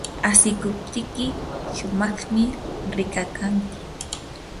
asikuptiyki shumaqmi rikakanki.